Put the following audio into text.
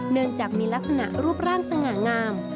เนื่องจากมีลักษณะรูปร่างสง่างาม